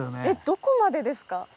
どこまでですか？